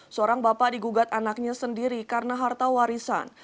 seorang bapak digugat anaknya sendiri karena harta warisan